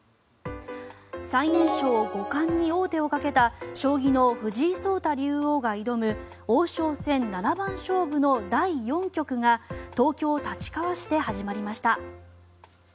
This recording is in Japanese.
最年少五冠に王手をかけた将棋の藤井聡太竜王が挑む王将戦七番勝負の第４局が東京・立川市で始まりました。